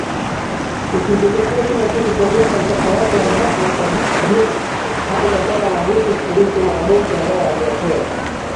ikizingatia kila kitu kuanzia falsafa yake ya mahakama kwa ujumla hadi maswali mahususi kuhusu maamuzi ambayo aliyatoa